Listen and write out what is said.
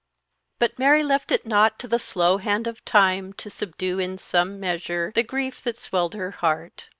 But Mary left it not to the slow hand of time to subdue in some measure the grief that swelled her heart.